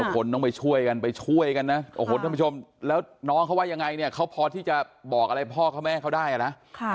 มีทุกคนต้องไปช่วยกันท่านผู้ชมแล้วน้องเขาว่าอย่างไรเนี่ยเขาพอที่จะบอกอะไรพ่อเขาแม่เขาได้อะนะ